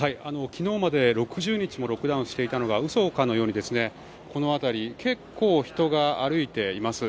昨日まで６０日もロックダウンしていたのが嘘かのようにこの辺りは結構、人が歩いています。